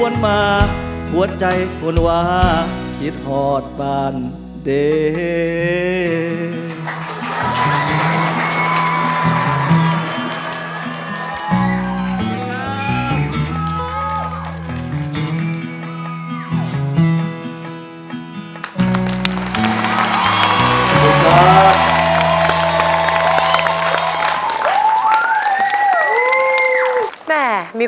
แล้ววิพี